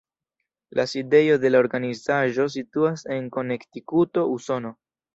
La sidejo de la organizaĵo situas en Konektikuto, Usono.